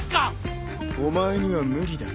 お前には無理だ。